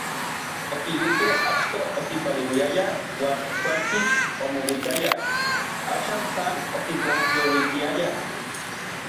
Okiluikej achto okinpaleuiaya uan kualtsin omouikayaj, Axan san okintlajyouiltiaya.